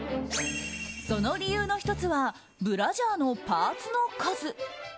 その理由の１つはブラジャーのパーツの数。